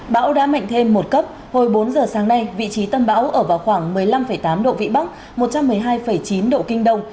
bão đã mạnh thêm một cấp hồi bốn giờ sáng nay vị trí tâm bão ở vào khoảng một mươi năm tám độ vĩ bắc một trăm một mươi hai chín độ kinh đông